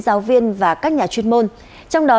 giáo viên và các nhà chuyên môn trong đó